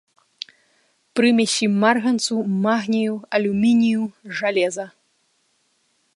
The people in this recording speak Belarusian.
Прымесі марганцу, магнію, алюмінію, жалеза.